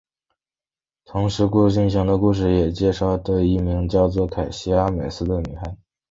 同时进行的故事也介绍的一位名叫凯西阿美斯的女孩。